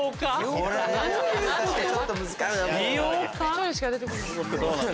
１人しか出てこない。